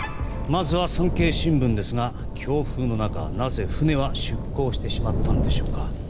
まずは産経新聞ですが強風の中、なぜ船は出航してしまったのでしょうか。